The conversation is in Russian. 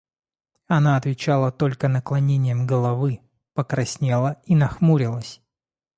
Она отвечала только наклонением головы, покраснела и нахмурилась.